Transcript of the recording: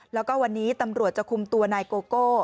แล้วก็วันนี้ตำรวจจะคุมตัวนายโกโก้